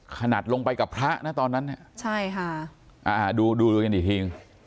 ขนาดลงไปกับพระนะตอนนั้นเนี่ยใช่ค่ะอ่าดูดูกันอีกที